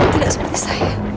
tidak seperti saya